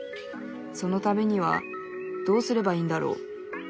そのためにはどうすればいいんだろう。